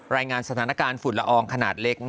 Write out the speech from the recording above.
รายงานสถานการณ์ฝุ่นละอองขนาดเล็ก